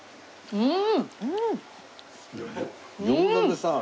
うん！